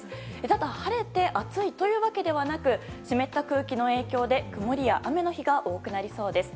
ただ晴れて暑いというわけではなく湿った空気の影響で曇りや雨の日が多くなりそうです。